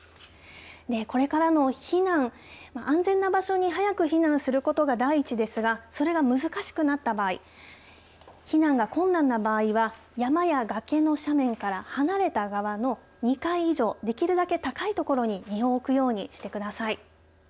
これからの避難安全な場所に早く避難することが第一ですがそれが難しくなった場合避難が困難な場合は山や崖の斜面から離れた側の２階以上、できるだけ高い所に身を置くようにしてください。